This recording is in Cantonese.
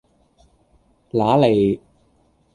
乸脷